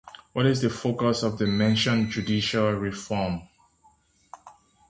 What is the focus of the mentioned judicial reform?